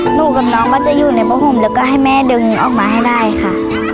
หนูกับน้องก็จะอยู่ในผ้าห่มแล้วก็ให้แม่ดึงออกมาให้ได้ค่ะ